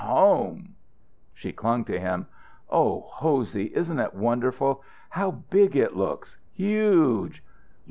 Home!" She clung to him. "Oh, Hosey, isn't it wonderful? How big it looks! Huge!"